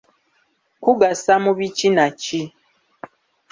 Kugasa mu biki na ki?